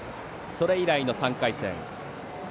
それ以来の３回戦。